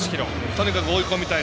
とにかく追い込みたい。